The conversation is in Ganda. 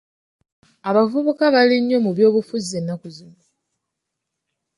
Abavubuka bali nnyo mu by'obufuzi ennaku zino.